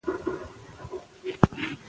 ناتاشا له خپلې غلطۍ وروسته ډېره غمجنه شوه.